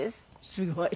すごい。